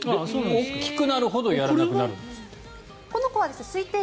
大きくなるほどやらなくなるんですって。